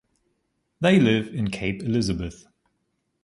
They live in Cape Elizabeth.